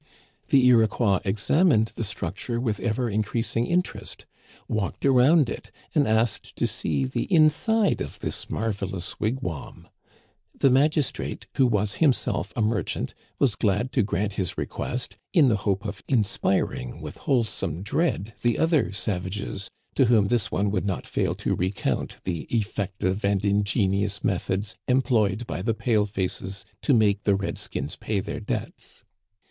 "The Iroquois examined the structure with ever increasing interest, walked around it, and asked to see the inside of this marvelous wigwam. The magistrate, who was himself a merchant, was glad to grant his re quest, in the hope of inspiring with wholesome dread the other savages, to whom this one would not fail to recount the effective and ingenious methods employed by the pale faces to make the red skins pay their debts.